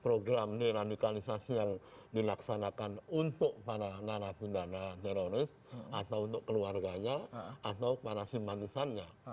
program ini radikalisasi yang dilaksanakan untuk para narabindana teroris atau untuk keluarganya atau para simantisannya